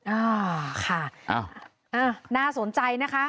อ้าวค่ะน่าสนใจนะคะ